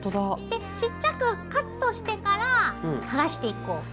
でちっちゃくカットしてから剥がしていこう。